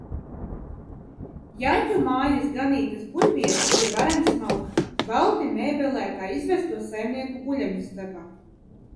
Janķu mājas ganītes guļvieta ir varen smalka, balti mēbelētā izvesto saimnieku guļamistabā.